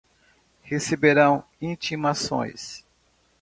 endereço residencial ou profissional onde receberão intimações